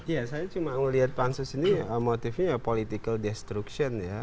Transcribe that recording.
ya saya cuma melihat pansus ini motifnya ya political destruction ya